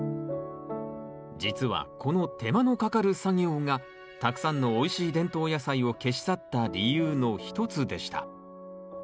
実はこの手間のかかる作業がたくさんのおいしい伝統野菜を消し去った理由の一つでした。